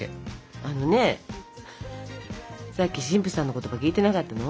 あのねさっき神父さんの言葉聞いてなかったの？